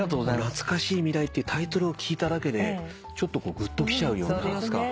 『なつかしい未来』っていうタイトルを聞いただけでちょっとぐっときちゃうような。